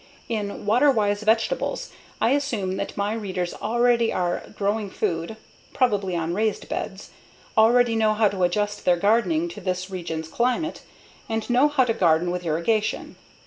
In Water Wise Vegetables I assume that my readers already are growing food (probably on raised beds), already know how to adjust their gardening to this region's climate, and know how to garden with irrigation.